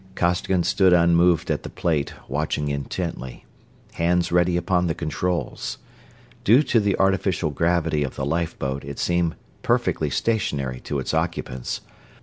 Costigan stood unmoved at the plate, watching intently; hands ready upon the controls. Due to the artificial gravity of the lifeboat it seemed perfectly stationary to its occupants.